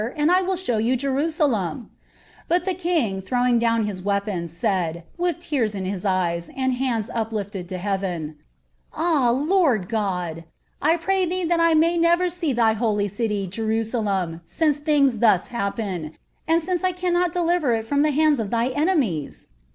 and I will show you Jerusalom,' le kingt throwing down his weapons, said, with tears in his 'hands uplifted lo heaven, —' Lord OotI, I pray ihee ihai I may never see thy holy city, I, since things thus happen ; and Kince 1 cannot deliver it from tof thine enemies